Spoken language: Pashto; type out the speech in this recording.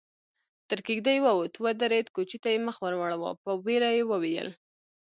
تر کېږدۍ ووت، ودرېد، کوچي ته يې مخ ور واړاوه، په وېره يې وويل: